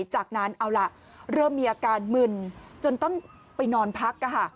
จากนั้นเอาล่ะเริ่มมีอาการมึนจนต้องไปนอนพัก